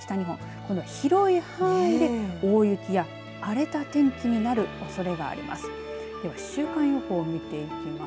この広い範囲で、大雪や荒れた天気になるおそれがあります。